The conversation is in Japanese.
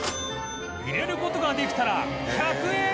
入れる事ができたら１００円！